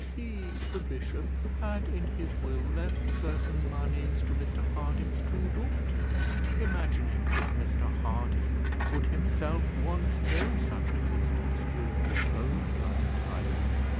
He, the bishop, had in his will left certain moneys to Mr Harding's two daughters, imagining that Mr Harding would himself want no such assistance during his own lifetime.